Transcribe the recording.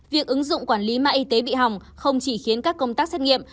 việc ứng dụng quản lý mạng y tế bị hỏng không chỉ khiến các công tác xét nghiệm